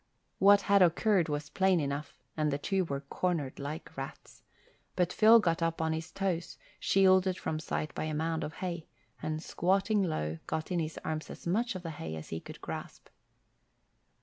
What had occurred was plain enough and the two were cornered like rats; but Phil got up on his toes, shielded from sight by a mound of hay, and squatting low, got in his arms as much of the hay as he could grasp.